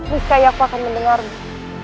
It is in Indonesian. miski aku akan mendengarmu